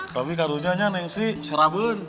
tapi karunianya neng sri serabun